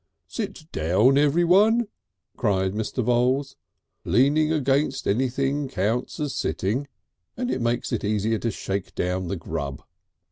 "Sit down everyone," cried Mr. Voules, "leaning against anything counts as sitting, and makes it easier to shake down the grub!"